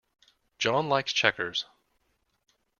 John likes checkers.